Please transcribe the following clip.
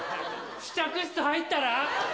試着室入ったら？